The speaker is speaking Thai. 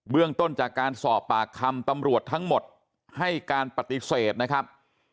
เรื่องต้นจากการสอบปากคำตำรวจทั้งหมดให้การปฏิเสธนะครับ